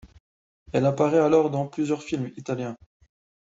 Elle apparaît alors dans plusieurs films italiens.